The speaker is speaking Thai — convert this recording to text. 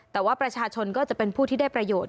แต่ว่าประชาชนก็จะเป็นผู้ที่ได้ประโยชน์